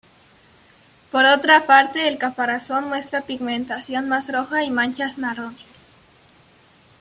Por otra parte, el caparazón muestra pigmentación más roja y manchas marrones.